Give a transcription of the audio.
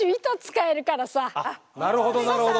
なるほどなるほど。